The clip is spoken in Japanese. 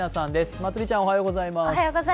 まつりちゃんおはようございます。